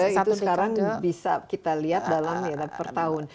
itu sekarang bisa kita lihat dalam per tahun